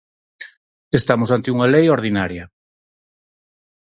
Estamos ante unha lei ordinaria.